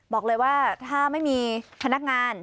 บอกเลยว่าถ้าไม่มีพนักงาน